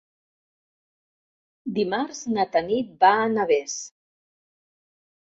Dimarts na Tanit va a Navès.